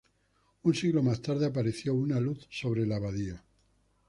Un siglo más tarde, apareció una luz sobre la abadía.